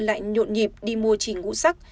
lại nhộn nhịp đi mua chỉnh ngũ sắc